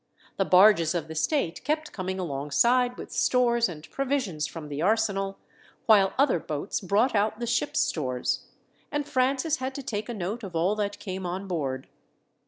The barges of the state kept coming alongside with stores and provisions from the arsenal; while other boats brought out the ship's stores; and Francis had to take a note of all that came on board.